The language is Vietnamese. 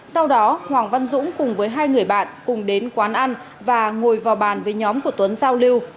sau đó hoàng văn dũng cùng với hai người bạn cùng đến quán ăn và ngồi vào bàn với nhóm của tuấn giao lưu